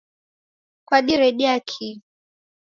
Kwadiredia kii?